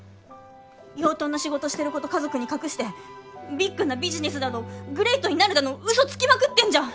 養豚の仕事してること家族に隠してビッグなビジネスだのグレイトになるだのウソつきまくってんじゃん！